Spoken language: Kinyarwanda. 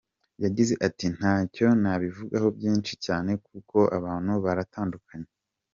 Yagize ati “Ntacyo nabivugaho byinshi cyane kuko abantu baratandukanye.